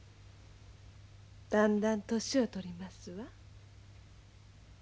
だんだん年を取りますわ。